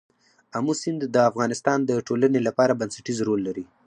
آمو سیند د افغانستان د ټولنې لپاره بنسټيز رول لري.